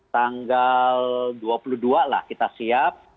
tanggal dua puluh dua lah kita siap